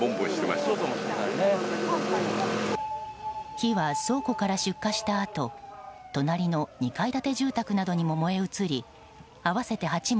火は倉庫から出火したあと隣の２階建ての住宅などにも燃え移り合わせて８棟